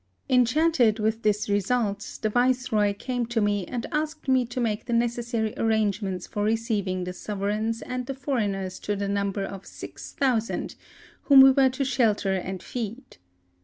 Enchanted with this result, the Viceroy came to me and asked me to make the ne cessary arrangements for receiving the sov ereigns and the foreigners to the number of 6000, whom we were to shelter and feed.